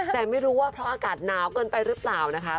แต่ไม่รู้ว่าเพราะอากาศหนาวเกินไปหรือเปล่านะคะ